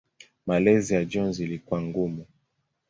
Malezi ya Jones ilikuwa ngumu.